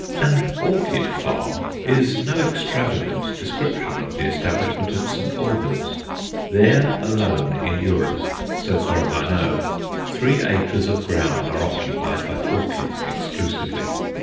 "An orchid farm" is no extravagant description of the establishment at St. Albans. There alone in Europe, so far as I know, three acres of ground are occupied by orchids exclusively.